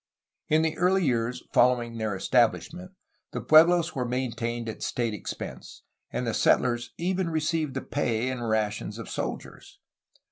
In the early years following their establishment, the puehlos were maintained at state expense, and the settlers even received the pay and rations of soldiers.